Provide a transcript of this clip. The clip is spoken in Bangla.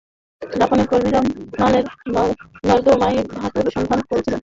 জাপানের কর্মীরা মলের নর্দমায় ধাতুর সন্ধান করেছিলেন।